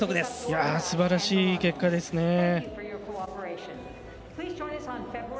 すばらしい結果ですね。